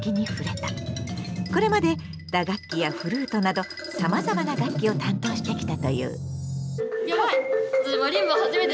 これまで打楽器やフルートなどさまざまな楽器を担当してきたという。